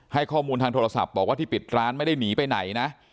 ให้ข้อมูลทางโทรศัพท์บอกว่าที่ปิดร้านไม่ได้หนีไปไหนนะ